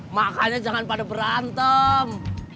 makanya jangan pada berantem